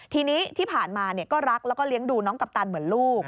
ทีนี้ที่ผ่านมาก็รักแล้วก็เลี้ยงดูน้องกัปตันเหมือนลูก